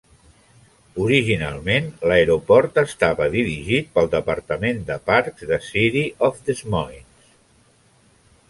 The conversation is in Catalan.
Originalment, l"aeroport estava dirigit pel Departament de parcs de City of Des Moines.